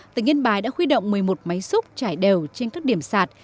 tỉnh yên bái đã huy động một mươi một máy xúc trải đều trên các điểm sạt